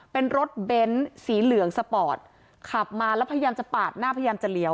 เป็นรถเบ้นสีเหลืองสปอร์ตขับมาแล้วพยายามจะปาดหน้าพยายามจะเลี้ยว